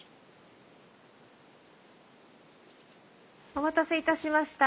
お待たせいたしました。